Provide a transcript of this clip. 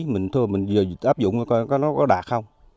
mình thua mình vừa áp dụng coi nó có đạt không